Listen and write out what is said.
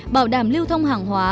bảo đảm lưu thông hàng hóa